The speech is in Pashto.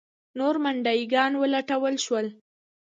نور منډیي ګان ولټول شول.